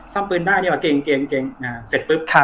ซ่อมปืนได้นี่หว่าเก่งเก่งเก่งอ่าเสร็จปุ๊บครับ